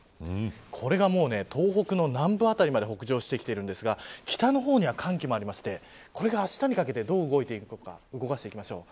これが、もう東北の南部辺りまで北上してきているんですが北の方には寒気がありましてこれがあしたにかけてどう動いていくのか動かしていきましょう。